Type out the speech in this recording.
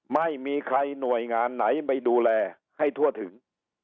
ไม่มีใครหน่วยงานไหนไปดูแลให้ทั่วถึง